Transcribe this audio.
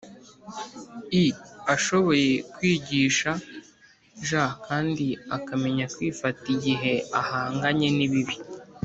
i ashoboye kwigisha j kandi akamenya kwifata igihe ahanganye n ibibi